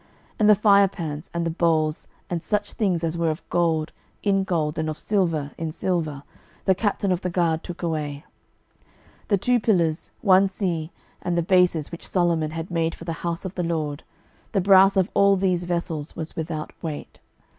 12:025:015 And the firepans, and the bowls, and such things as were of gold, in gold, and of silver, in silver, the captain of the guard took away. 12:025:016 The two pillars, one sea, and the bases which Solomon had made for the house of the LORD; the brass of all these vessels was without weight.